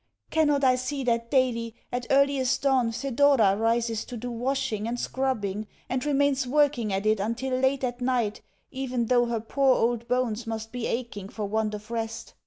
Cannot I see that daily, at earliest dawn, Thedora rises to do washing and scrubbing, and remains working at it until late at night, even though her poor old bones must be aching for want of rest?